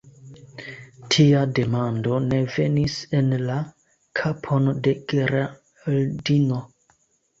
Tia demando ne venis en la kapon de Geraldino: